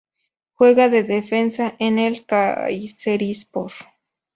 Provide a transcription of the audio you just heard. Juega de defensa en el Kayserispor.